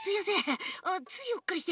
ついうっかりして。